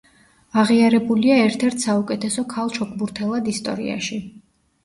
აღიარებულია ერთ-ერთ საუკეთესო ქალ ჩოგბურთელად ისტორიაში.